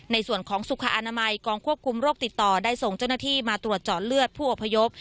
ในส่วนของสุขอนามัยกองควบคุมโรคติดต่อได้ส่งเจ้าหน้าที่มาตรวจเจาะเลือดผู้อพยพ